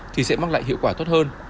thì sẽ mang lại hiệu quả tốt hơn